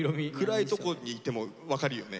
暗いとこにいても分かるよね。